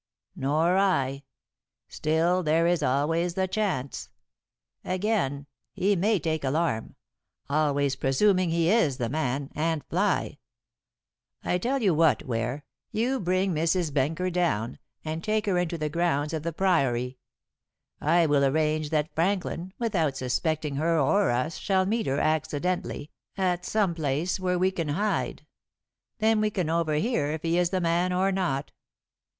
"Nor I; still, there is always the chance. Again, he may take alarm always presuming he is the man and fly. I tell you what, Ware, you bring Mrs. Benker down, and take her into the grounds of the Priory. I will arrange that Franklin, without suspecting her or us, shall meet her, accidentally, at some place where we can hide. Then we can overhear if he is the man or not."